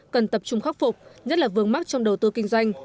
cần tập trung khắc phục nhất là vương mắc trong đầu tư kinh doanh